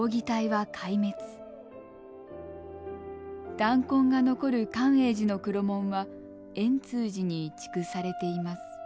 弾痕が残る寛永寺の黒門は円通寺に移築されています。